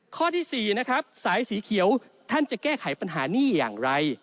ข้อที่๔นะครับสายสีเขียวท่านจะแก้ไขปัญหานี่อย่างไร